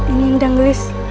ini ndang lies